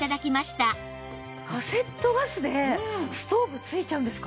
カセットガスでストーブついちゃうんですか？